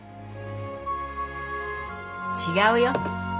違うよ。